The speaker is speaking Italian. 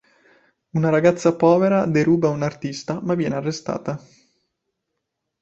Una ragazza povera deruba un artista ma viene arrestata.